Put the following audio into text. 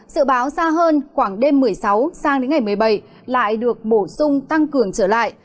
sự báo xa hơn khoảng đêm một mươi sáu sang đến ngày một mươi bảy lại được bổ sung tăng cường trở lại